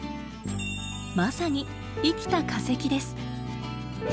まさに生きた化石です。